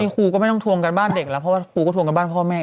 ครูก็ไม่ต้องทวงกันบ้านเด็กแล้วเพราะว่าครูก็ทวงกันบ้านพ่อแม่